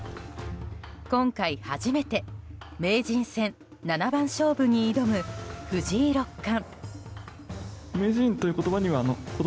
今回初めて名人戦七番勝負に挑む藤井六冠。